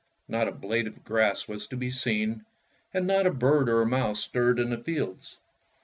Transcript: Not a blade of grass was to be seen, and not a bird or a mouse stirred in the fields.